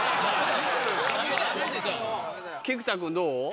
菊田君どう？